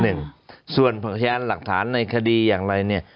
นึงส่วนของเคยลทรารหลักฐานในคดีอย่างไรเนี่ย